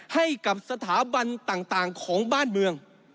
ให้กับสถาบันต่างของบ้านเมือง